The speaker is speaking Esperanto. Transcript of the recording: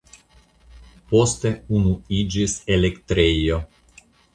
Poste unu iĝis elektrejo.